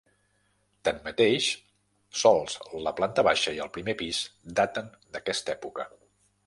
Tanmateix, sols la planta baixa i el primer pis daten d'aquesta època.